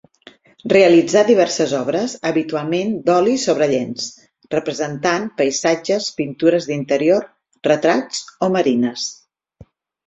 Realitzà diverses obres, habitualment d'oli sobre llenç, representant paisatges, pintures d'interior, retrats o marines.